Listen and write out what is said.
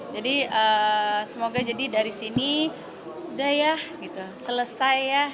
jadi semoga jadi dari sini udah ya gitu selesai ya